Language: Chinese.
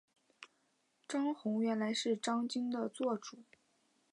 张宏原来是张鲸的座主。